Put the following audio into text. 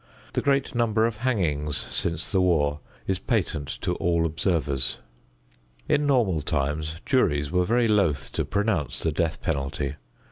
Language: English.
The great number of hangings since the war is patent to all observers. In normal times juries were very loath to pronounce the death penalty.